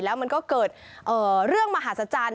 แล้วมันก็เกิดเรื่องมหาศจรรย์